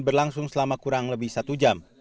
berlangsung selama kurang lebih satu jam